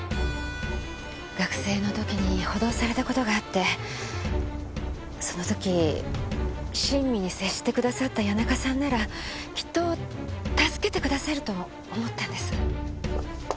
学生の時に補導された事があってその時親身に接してくださった谷中さんならきっと助けてくださると思ったんです。